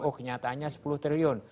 oh kenyataannya sepuluh triliun